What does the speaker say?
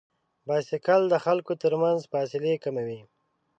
بایسکل د خلکو تر منځ فاصلې کموي.